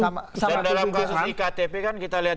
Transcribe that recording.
dan dalam kasus iktp kan kita lihat